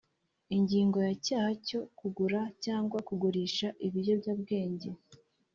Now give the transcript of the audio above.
Ingingo ya Icyaha cyo kugura cyangwa kugurisha ibiyobyabwenge